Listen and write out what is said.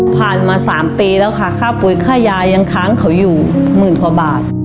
ผ่านมา๓ปีแล้วค่ะค่าปุ๋ยค่ายายังค้างเขาอยู่หมื่นกว่าบาท